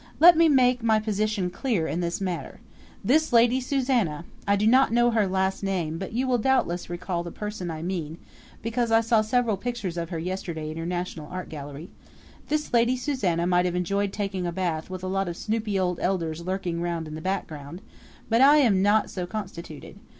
"Let me make my position clear in this matter: This Lady Susanna I do not know her last name, but you will doubtless recall the person I mean, because I saw several pictures of her yesterday in your national art gallery this Lady Susanna may have enjoyed taking a bath with a lot of snoopy old elders lurking round in the background; but I am not so constituted.